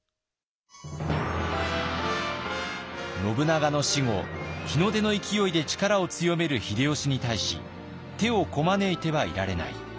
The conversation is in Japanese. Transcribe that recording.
信長の死後日の出の勢いで力を強める秀吉に対し手をこまねいてはいられない。